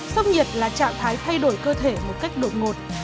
sốc nhiệt là trạng thái thay đổi cơ thể một cách đột ngột